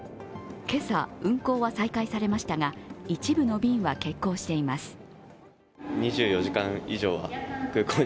今朝運航は再開されましたが一部の便は欠航しています。